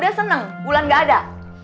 udah seneng wulan nggak ada